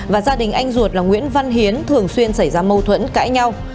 và gia đình anh ruột là nguyễn văn hiến thường xuyên xảy ra mâu thuẫn cãi nhau